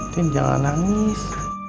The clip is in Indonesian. tim jangan nangis